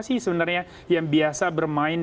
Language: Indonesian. sih sebenarnya yang biasa bermain